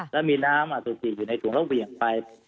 แล้วมีน้ำอสุจิอยู่ในถุงแล้วเหวี่ยงไป